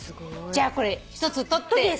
じゃこれ１つ取って。